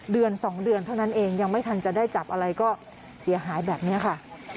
เดือน๒เดือนเท่านั้นเองยังไม่ทันจะได้จับอะไรก็เสียหายแบบนี้ค่ะ